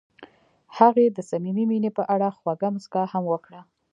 هغې د صمیمي مینه په اړه خوږه موسکا هم وکړه.